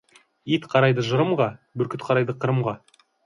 Ит қарайды жырымға, бүркіт қарайды Қырымға.